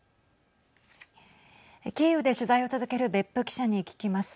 キーウで取材を続ける別府記者に聞きます。